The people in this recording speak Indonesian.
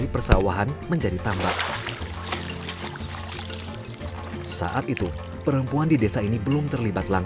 buana hingga india jepang